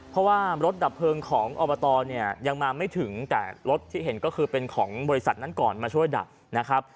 เพราะว่ารถดับเพลิงของอบตเนี่ยยังมาไม่ถึงแต่รถที่เห็นก็คือเป็นของบริษัทนั้นก่อนมาช่วยดับนะครับ